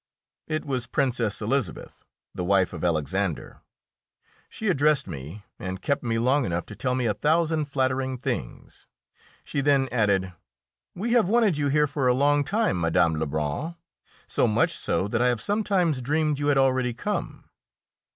It was Princess Elisabeth, the wife of Alexander. She addressed me, and kept me long enough to tell me a thousand flattering things. She then added, "We have wanted you here for a long time, Mme. Lebrun so much so that I have sometimes dreamed you had already come."